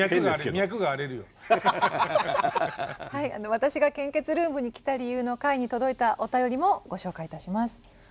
「私が献血ルームに来た理由」の回に届いたお便りもご紹介いたします。